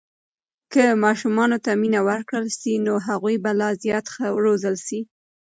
که ماشومانو ته مینه ورکړل سي، نو هغوی به لا زیات ښه روزل سي.